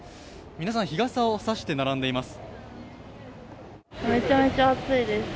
皆さん、日傘を差して並んでいます